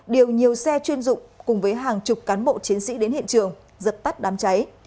điều nhiều xe chuyên dụng cùng với hàng chục cán bộ chiến sĩ đến hiện trường dập tắt đám cháy